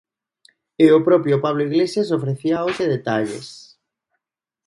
E o propio Pablo Iglesias ofrecía hoxe detalles.